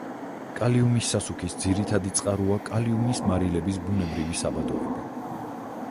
კალიუმის სასუქის ძირითადი წყაროა კალიუმის მარილების ბუნებრივი საბადოები.